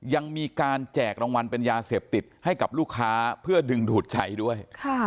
ยังมีการแจกรางวัลเป็นยาเสพติดให้กับลูกค้าเพื่อดึงถูกใช้ด้วย